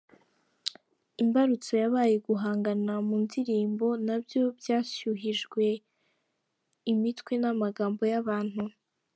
Imbarutso yabaye guhangana mu ndirimbo, nabyo bashyuhijwe imitwe n’amagambo y’abantu.